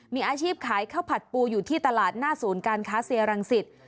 มีอาชีพขายข้าวผัดปูอยู่ที่ตลาดหน้าศูนย์การค้าเซียรังสิต